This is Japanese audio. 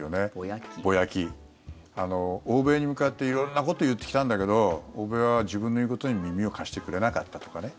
欧米に向かって色んなことを言ってきたんだけど欧米は自分の言うことに耳を貸してくれなかったとかね